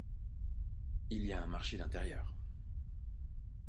Il y a un marché d'intérieur.